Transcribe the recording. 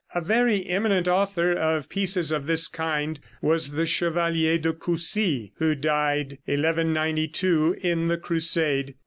A very eminent author of pieces of this kind was the Chevalier de Coucy, who died 1192, in the crusade.